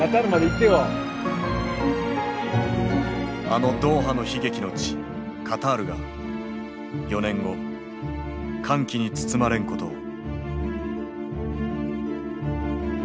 あのドーハの悲劇の地カタールが４年後歓喜に包まれんことを。